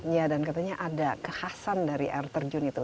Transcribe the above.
ya dan katanya ada kekhasan dari air terjun itu